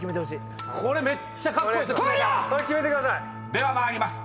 ［では参ります。